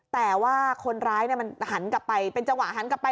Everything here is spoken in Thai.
แต่ว่าคนร้ายมันหันกลับไปเป็นจังหวะหันกลับไป